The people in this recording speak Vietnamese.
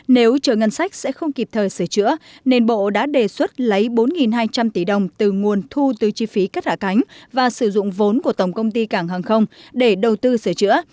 nếu chờ ngân sách sẽ không kịp thời sửa chữa nền bộ đã đề xuất lấy bốn hai trăm linh tỷ đồng từ nguồn thu từ chi phí cất hạ cánh và sử dụng vốn của tổng công ty cảng hàng không để đầu tư sửa chữa